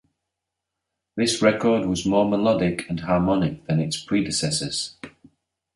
This record was more melodic and harmonic than its predecessors.